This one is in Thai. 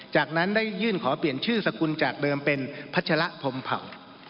จากนั้นได้ยื่นขอเปลี่ยนชื่อสกุลจากเดิมเป็นพัชระพรมเผ่า